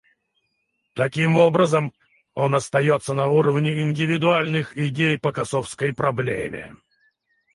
Таким образом, он остается на уровне индивидуальных идей по косовской проблеме.